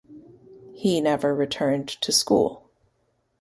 He never returned to school.